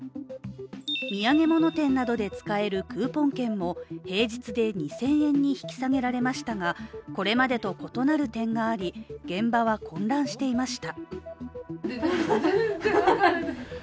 土産物店などで使えるクーポン券も平日で２０００円に引き下げられましたがこれまでと異なる点があり現場は混乱していました。